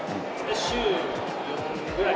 週４ぐらい。